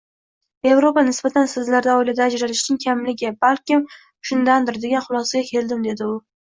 Evropaga nisbatan sizlarda oilada ajralishning kamligi ham balki shundandir, degan xulosaga keldim dedi u.